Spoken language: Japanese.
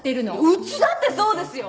うちだってそうですよ！